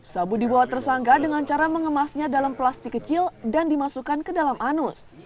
sabu dibawa tersangka dengan cara mengemasnya dalam plastik kecil dan dimasukkan ke dalam anus